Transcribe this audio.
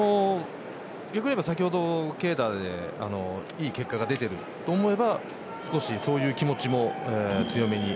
欲を言えば先ほど軽打でいい結果が出ていると思えば少しそういう気持ちも強めに。